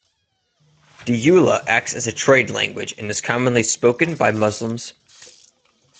Dyula acts as a trade language and is commonly spoken by Muslims.